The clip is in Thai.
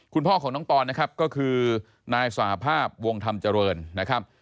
คุณพ่อของน้องปอนนะครับก็คือนายสหภาพวงธรรมเจริญนะครับ